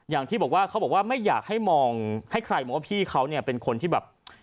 อย่างที่บอกว่าเขาบอกว่าไม่อยากให้มองให้ใครมองว่าพี่เขาเนี่ยเป็นคนที่แบบ